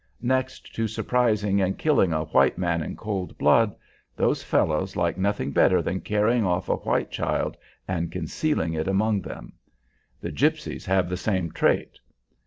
Next to surprising and killing a white man in cold blood, those fellows like nothing better than carrying off a white child and concealing it among them. The gypsies have the same trait.